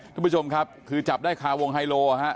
ทุกผู้ชมครับคือจับได้คาวงไฮโลฮะ